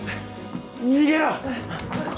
逃げろ。